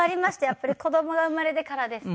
やっぱり子供が生まれてからです